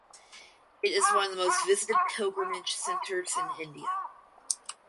It is one of the most visited pilgrimage centers in India.